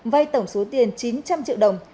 vay tổng số tiền chín trăm linh triệu đồng